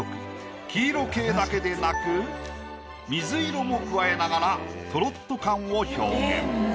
黄色系だけでなく水色も加えながらトロっと感を表現。